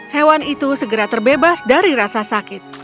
hewan itu segera terbebas dari rasa sakit